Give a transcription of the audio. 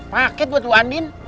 paket buat bu andin